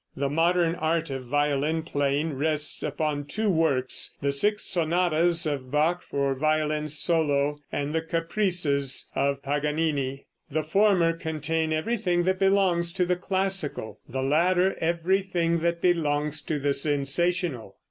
The modern art of violin playing rests upon two works, the six sonatas of Bach for violin solo, and the Caprices of Paganini. The former contain everything that belongs to the classical, the latter everything that belongs to the sensational.